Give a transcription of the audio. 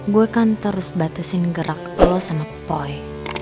gue kan terus batasin gerak lo sama poi